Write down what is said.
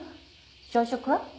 朝食は？